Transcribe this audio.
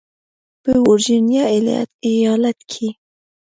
په ورجینیا ایالت کې